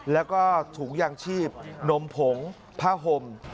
แล้วก็ถุงยางชีพนมผงผ้าห่ม